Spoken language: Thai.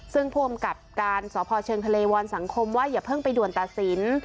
ซึ่งผู้อำกับการสพเชิงทะเลวอนสังคมว่าอย่าเพิ่งไปด่วนตัดสิน